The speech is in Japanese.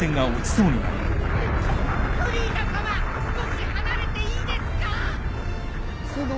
少し離れていいですか！？